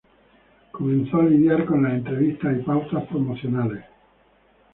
Comenzó a lidiar con las entrevistas y pautas promocionales.